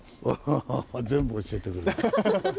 全部教えてくれた。